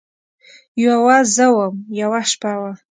یوه زه وم، یوه شپه وه